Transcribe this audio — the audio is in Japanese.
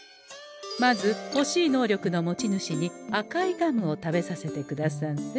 まずほしい能力の持ち主に赤いガムを食べさせてくださんせ。